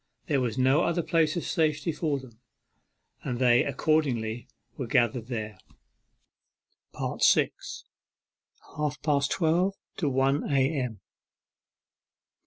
There was no other place of safety for them, and they accordingly were gathered there. 6. HALF PAST TWELVE TO ONE A.M.